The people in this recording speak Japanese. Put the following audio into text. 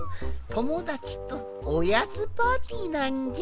ともだちとおやつパーティーなんじゃ。